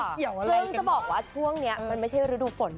ซึ่งจะบอกว่าช่วงนี้มันไม่ใช่ฤดูฝน